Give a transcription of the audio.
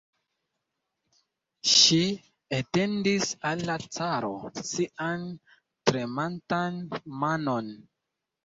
Ŝi etendis al la caro sian tremantan manon.